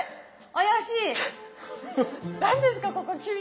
怪しい。